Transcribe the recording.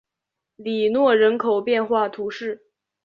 里诺人口变化图示